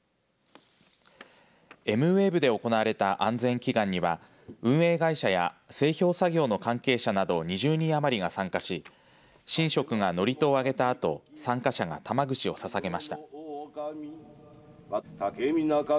エムウェーブで行われた安全祈願には運営会社や製氷作業の関係者など２２人余りが参加し神職が祝詞をあげたあと参加者が玉串をささげました。